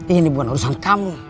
ini bukan urusan kamu